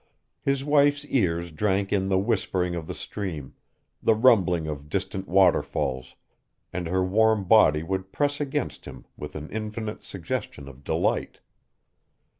His wife's ears drank in the whispering of the stream, the rumbling of distant waterfalls, and her warm body would press against him with an infinite suggestion of delight.